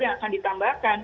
yang akan ditambahkan